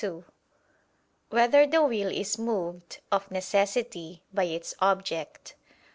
2] Whether the Will Is Moved, of Necessity, by Its Object?